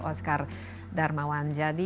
oskar darmawan jadi